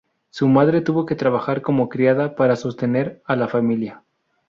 Su madre tuvo que trabajar como criada para sostener a la familia.